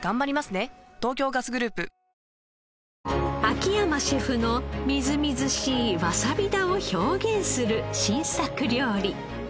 秋山シェフのみずみずしいわさび田を表現する新作料理。